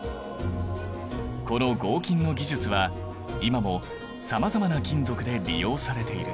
この合金の技術は今もさまざまな金属で利用されている。